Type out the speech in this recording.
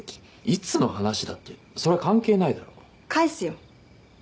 いつの話だってそれは関係ないだろ返すよ